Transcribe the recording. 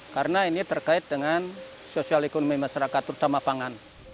karena ini terkait dengan sosial ekonomi masyarakat terutama pangan